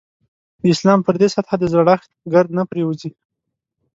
د اسلام پر دې سطح د زړښت ګرد نه پرېوځي.